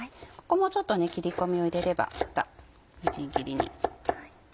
ここもちょっと切り込みを入れればまたみじん切りに。